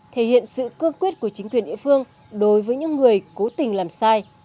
thể hiện sự cương quyết của chính quyền địa phương đối với những người cố tình làm sai